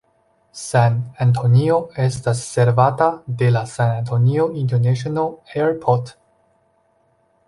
San-Antonio estas servata de la San Antonio International Airport.